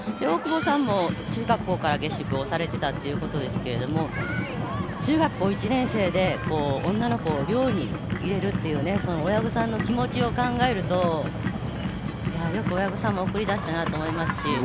大久保さんも中学校から下宿をされていたということですけれども、中学校１年生で女の子を寮に入れるという親御さんの気持ちを考えるとよく親御さんも送り出したと思いますし。